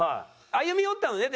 歩み寄ったのね？